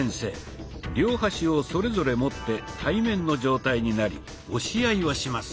両端をそれぞれ持って対面の状態になり押し合いをします。